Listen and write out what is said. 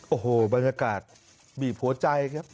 โอ้โหบรรยากาศบีบหัวใจครับ